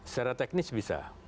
secara teknis bisa